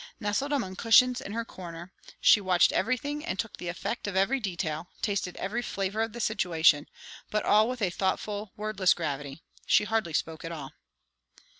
Nestled among cushions in her corner, she watched everything and took the effect of every detail; tasted every flavour of the situation; but all with a thoughtful, wordless gravity; she hardly spoke at all.